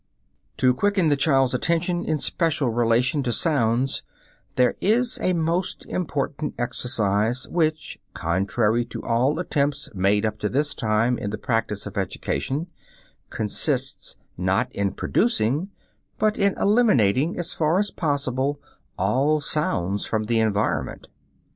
To quicken the child's attention in special relation to sounds there is a most important exercise which, contrary to all attempts made up to this time in the practise of education, consists not in producing but in eliminating, as far as possible, all sounds from the environment.